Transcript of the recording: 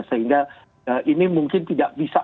sehingga ini mungkin tidak bisa